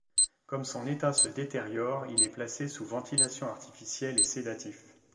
Comme son état se détériore, il est placé sous ventilation artificielle et sédatifs.